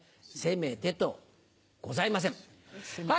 「せめて」と「ございません」。